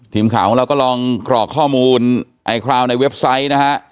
ทีมข่าวของเราก็ลองกรอกข้อมูลไอคราวในเว็บไซต์นะฮะ